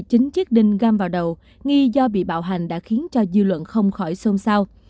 chiếc đinh găm vào đầu nghi do bị bạo hành đã khiến cho dư luận không khỏi sông sao